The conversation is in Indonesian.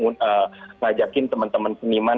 ngajakin teman teman peniman